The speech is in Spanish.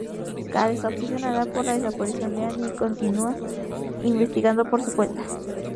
Kath está obsesionada por la desaparición de Annie y continúa investigando por su cuenta.